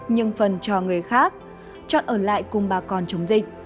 nhưng phần cho người khác chọn ở lại cùng bà con chống dịch